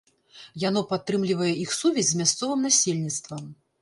Яно падтрымлівае іх сувязь з мясцовым насельніцтвам.